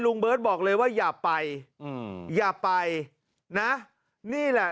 ลุงเบิร์ตบอกเลยว่าอย่าไปอย่าไปนี่แหละ